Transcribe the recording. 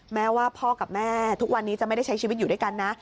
แม้ว่าพ่อกับแม่ทุกวันนี้จะไม่ได้ใช้ชีวิตอยู่ด้วยกันนะ